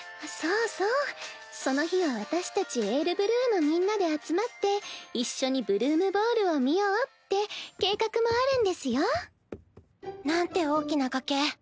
そうそうその日は私たち「ＡｉＲＢＬＵＥ」のみんなで集まって一緒に「ブルームボール」を見ようって計画もあるんですよ。なんて大きな崖。